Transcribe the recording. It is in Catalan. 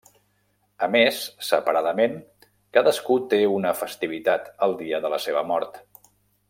A més, separadament, cadascú té una festivitat el dia de la seva mort.